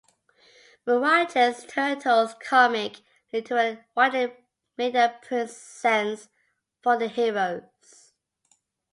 Mirage's "Turtles" comic led to a widening media presence for the heroes.